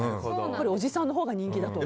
おじさんのほうが人気だと。